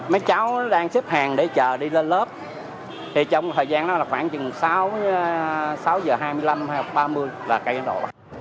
mấy cháu đang xếp hàng để chờ đi lên lớp thì trong thời gian đó là khoảng sáu h hai mươi năm sáu h ba mươi là cây nó đổ